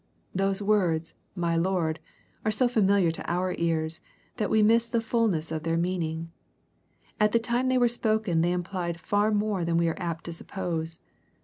EXP08IT0BT THOtTQHTS. Those words '^ mj Lord ^' are so familiar to our ears^ that we miss the falness of their meaning* At the time they were spoken they implied far more than we are apt to suppose.